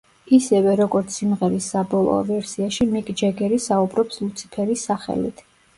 ისევე, როგორც სიმღერის საბოლოო ვერსიაში, მიკ ჯეგერი საუბრობს ლუციფერის სახელით.